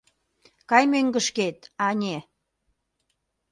Кай мӧҥгышкет, ане...